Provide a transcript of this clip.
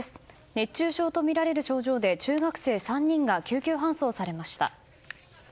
熱中症とみられる症状で中学生３人が救急搬送されました。